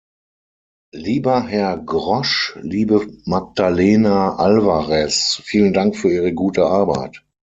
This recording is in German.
Lieber Herr Grosch, liebe Magdalena Alvarez, vielen Dank für Ihre gute Arbeit.